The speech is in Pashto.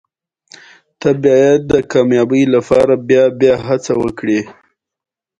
جبار خان مې وپوښت هغه چېرې دی؟